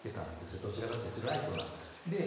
どちらかというとライトな。